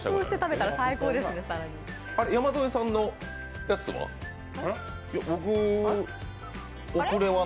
山添さんのやつは？